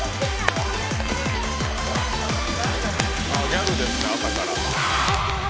ギャルですか、朝から。